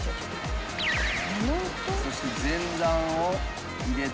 そして全卵を入れて。